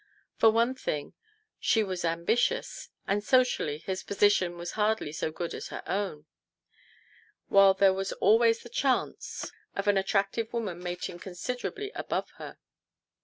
For one thing, she was ambitious, and socially his position was hardly so good as her own, while there was always the chance of an io8 TO PLEASE HIS WIFE. attractive woman mating considerably above her.